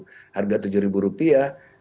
kemudian harga jilbab kerudung rp tujuh